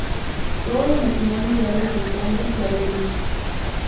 Todos los matrimonios reales en Tonga se arreglan.